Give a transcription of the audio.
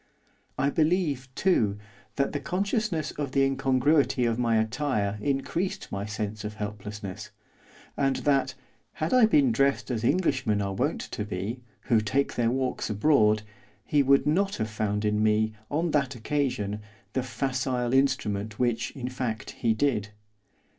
I believe, too, that the consciousness of the incongruity of my attire increased my sense of helplessness, and that, had I been dressed as Englishmen are wont to be, who take their walks abroad, he would not have found in me, on that occasion, the facile instrument which, in fact, he did.